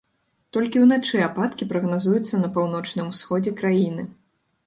Толькі ўначы ападкі прагназуюцца на паўночным усходзе краіны.